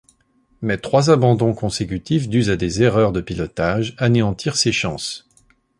Mais trois abandons consécutifs dus à des erreurs de pilotage anéantirent ses chances.